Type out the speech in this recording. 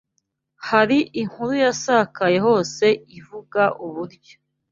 Hari inkuru yasakaye hose ivuga uburyo